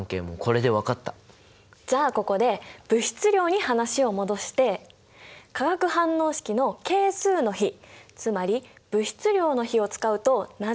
じゃあここで物質量に話を戻して化学反応式の係数の比つまり物質量の比を使うとなぜ便利なのか考えていこう。